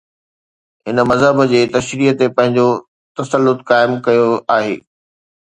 هن مذهب جي تشريح تي پنهنجو تسلط قائم ڪيو آهي.